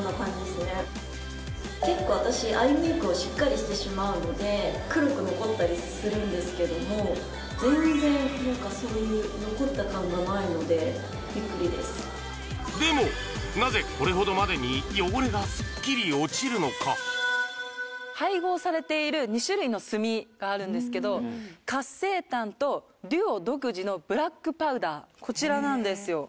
結構私アイメイクをしっかりしてしまうので黒く残ったりするんですけども全然何かそういう残った感がないのでビックリですでもなぜこれほどまでに汚れがスッキリ落ちるのか？があるんですけどこちらなんですよ